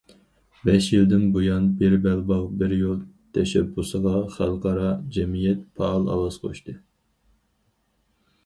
بەش يىلدىن بۇيان،« بىر بەلباغ، بىر يول» تەشەببۇسىغا خەلقئارا جەمئىيەت پائال ئاۋاز قوشتى.